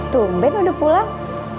tumben udah pulang